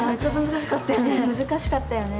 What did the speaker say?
難しかったよね。